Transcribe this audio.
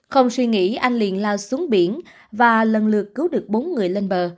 không suy nghĩ anh liền lao xuống biển và lần lượt cứu được bốn người lên bờ